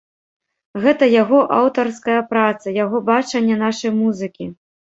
Гэта яго аўтарская праца, яго бачанне нашай музыкі.